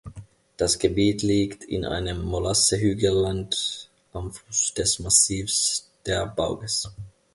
Das Gebiet liegt in einem Molassehügelland am Fuß des Massivs der Bauges.